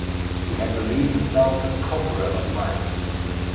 He had believed himself the conqueror of life.